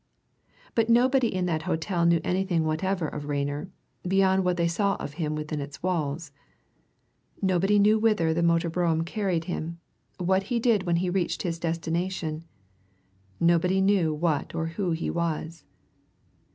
But nobody in that hotel knew anything whatever of Rayner, beyond what they saw of him within its walls. Nobody knew whither the motor brougham carried him, what he did when he reached his destination, nobody knew what or who he was.